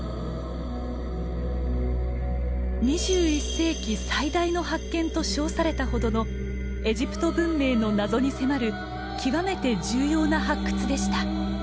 「２１世紀最大の発見」と称されたほどのエジプト文明の謎に迫る極めて重要な発掘でした。